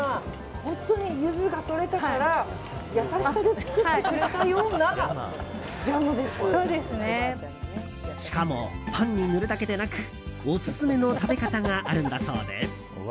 本当にゆずがとれたから優しさで作ってくれたようなしかも、パンに塗るだけでなくオススメの食べ方があるんだそうで。